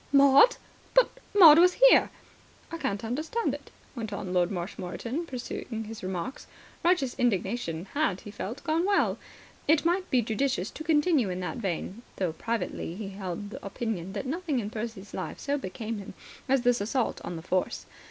"Maud? But Maud was here." "I can't understand it," went on Lord Marshmoreton, pursuing his remarks. Righteous indignation had, he felt, gone well. It might be judicious to continue in that vein, though privately he held the opinion that nothing in Percy's life so became him as this assault on the Force.